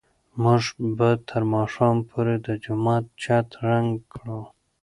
موږ به تر ماښامه پورې د جومات چت رنګ کړو.